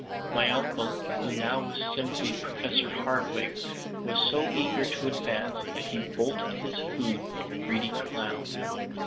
My uncle, who now was simply Professor Hardwigg, was so eager to advance, that he bolted his food like a greedy clown.